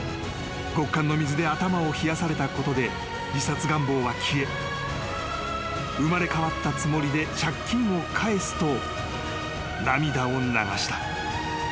［極寒の水で頭を冷やされたことで自殺願望は消え生まれ変わったつもりで借金を返すと涙を流した］